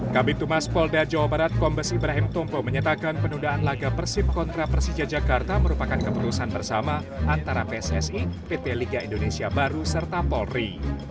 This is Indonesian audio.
kb tumas polda jawa barat kombes ibrahim tompo menyatakan penundaan laga persib kontra persija jakarta merupakan keputusan bersama antara pssi pt liga indonesia baru serta polri